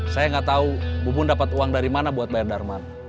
saya nggak tahu bubun dapat uang dari mana buat bayar darman